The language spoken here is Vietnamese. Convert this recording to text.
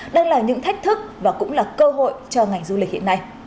đang là những thách thức và cũng là cơ hội cho ngành du lịch hiện nay